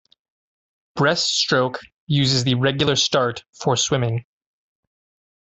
Breaststroke uses the regular start for swimming.